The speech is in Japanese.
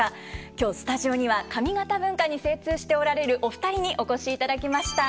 今日スタジオには上方文化に精通しておられるお二人にお越しいただきました。